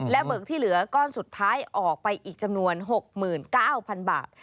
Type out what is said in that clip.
เบิกที่เหลือก้อนสุดท้ายออกไปอีกจำนวน๖๙๐๐บาท